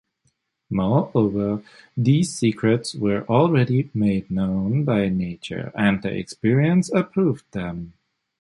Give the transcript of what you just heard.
Moreover, these secrets were already made known by Nature, and the experience approved them.